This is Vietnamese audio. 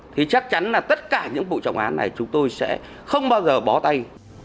thì chắc chắn là tất cả những vụ trọng án này chúng tôi sẽ không bao giờ bó tay